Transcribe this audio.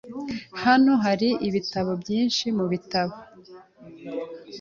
Hano hari ibitabo byinshi mubitabo .